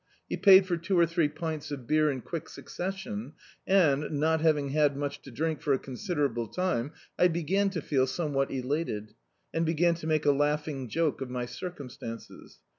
He paid for two or three pints of beer in quick succes^cn, and, not having had much drink for a considerable time, I began to feel somewhat elated, and began to make a lauding joke of my circum stances.